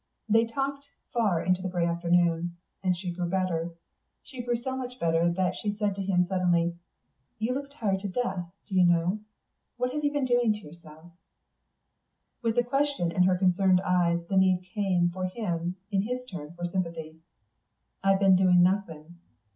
They talked far into the grey afternoon. And she grew better. She grew so much better that she said to him suddenly, "You look tired to death, do you know. What have you been doing to yourself?" With the question and her concerned eyes, the need came to him in his turn for sympathy. "I've been doing nothing.